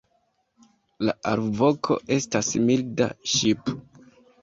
La alvoko estas milda "ŝip".